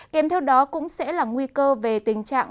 kèm theo đó cũng sẽ là nguy cơ về tình trạng